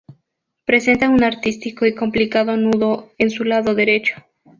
Presenta un artístico y complicado nudo en su lado derecho.